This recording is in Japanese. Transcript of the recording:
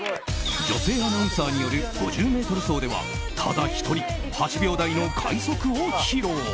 女性アナウンサーによる５０ｍ走ではただ１人、８秒台の快足を披露。